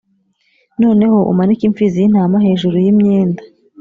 noneho umanike impfizi y'intama hejuru y'imyenda.